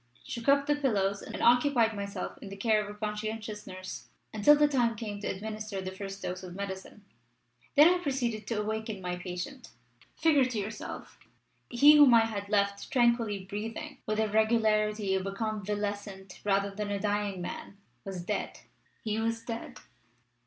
"shook up the pillows, and occupied myself in the cares of a conscientious nurse until the time came to administer the first dose of medicine. Then I proceeded to awaken my patient. Figure to yourself! He whom I had left tranquilly breathing, with the regularity of a convalescent rather than a dying man, was dead! He was dead!"